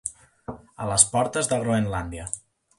A les portes de Groenlàndia.